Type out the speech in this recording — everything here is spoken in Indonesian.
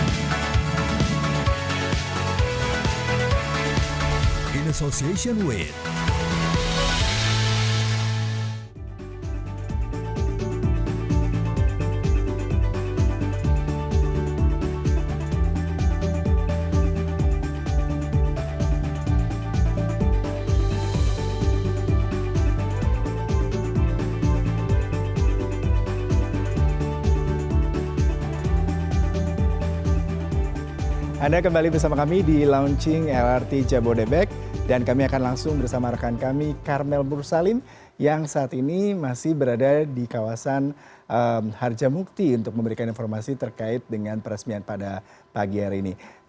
jangan kemana mana kami akan kembali usai cedera berikut